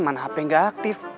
mana hp gak aktif